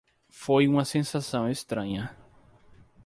Foi uma sensação estranha.